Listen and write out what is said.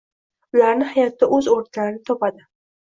Ularni hayotda oʻz oʻrnilarini topadi.